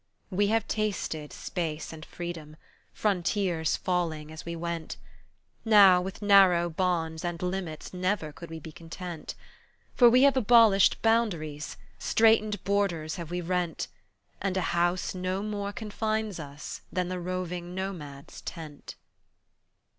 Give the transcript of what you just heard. We have tasted space and freedom, frontiers falling as we went, Now with narrow bonds and limits never could we be content, For we have abolished boundaries, straitened borders have we rent, And a house no more confines us than the roving nomad's tent.